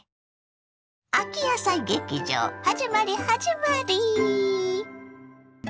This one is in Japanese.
秋野菜劇場はじまりはじまり！